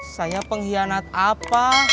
saya pengkhianat apa